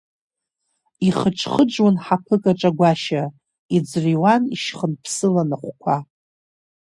Ихыџхыџуан ҳаԥыкаҿ агәашьа, иӡырҩуан ишьхынԥсыланы ахәқәа.